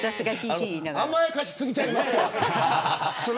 甘やかし過ぎちゃいますか。